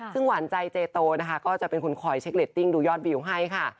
ซึ่งหวานใจเจโตนะคะก็จะเป็นคนคอยเช็คเรตติ้งดูยอดวิวให้ค่ะ